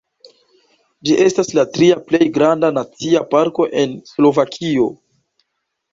Ĝi estas la tria plej granda nacia parko en Slovakio.